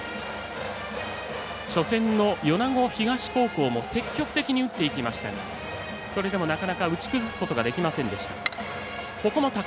初戦の米子東高校も積極的に打ってきましたがそれでも、なかなか打ち崩すことができませんでした。